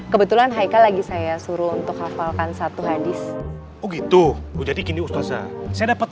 kebetulan haikal lagi saya suruh untuk hafalkan satu hadis begitu jadi gini ustaza saya dapat